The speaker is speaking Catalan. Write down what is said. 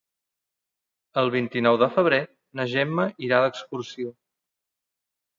El vint-i-nou de febrer na Gemma irà d'excursió.